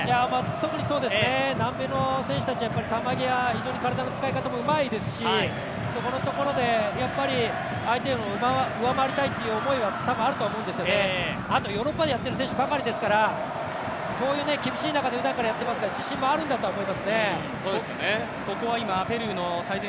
特にそうです、南米の選手は球際、体の使い方うまいですし、そこのところで相手を上回りたいという思いは多分あるとは思うんですよね、あとヨーロッパでやっている選手ばかりですから、そういう厳しい中でふだんからやっていますから、自信もあるんだと思いますね。